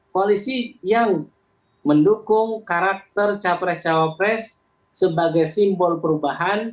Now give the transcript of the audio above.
koalisi yang mendukung karakter capres cawapres sebagai simbol perubahan